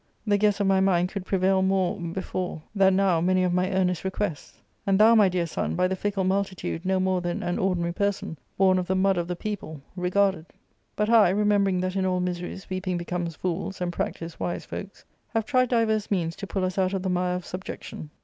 The guess of my mind could prevail more before than now many of my earnest re quests ; and thou, my dear son, by the fickle multitude no more than an ordinary person, bom of the mud of the people, regarded "But I, remembering that in all miseries weeping becomes fools and practice* wise folks, have tried divers means to pull us out of the mire of subjection.